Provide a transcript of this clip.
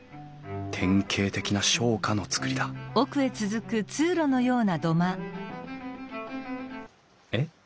典型的な商家の造りだえっ？